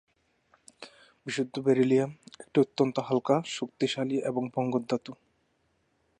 বিশুদ্ধ বেরিলিয়াম একটি অত্যন্ত হালকা, শক্তিশালী এবং ভঙ্গুর ধাতু।